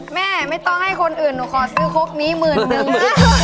แม่ไม่ต้องให้คนอื่นหนูขอซื้อครบนี้หมื่นนึง